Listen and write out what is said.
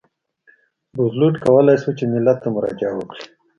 روزولټ کولای شوای چې ملت ته مراجعه وکړي.